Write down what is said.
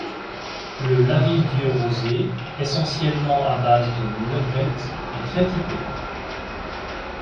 Le Lavilledieu rosé, essentiellement à base de Negrette est très typé.